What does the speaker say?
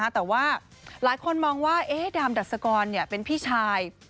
แต่ว่าหลายคนมองว่าดามดัชกรเป็นพี่ชาย